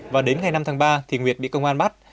và đến ngày năm tháng ba thì nguyệt bị công an bắt